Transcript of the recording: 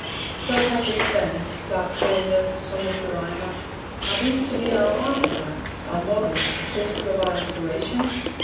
Sir Patrick Spens, Clerk Saunders, Thomas the Rhymer are these to be our archetypes, our models, the sources of our inspiration?